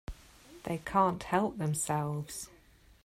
They can't help themselves.